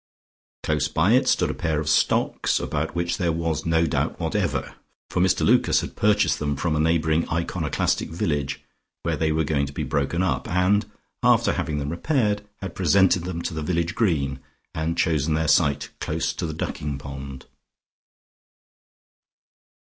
Close by it stood a pair of stocks, about which there was no doubt whatever, for Mr Lucas had purchased them from a neighbouring iconoclastic village, where they were going to be broken up, and, after having them repaired, had presented them to the village green, and chosen their site close to the ducking pond.